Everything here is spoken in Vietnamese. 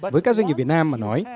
với các doanh nghiệp việt nam mà nói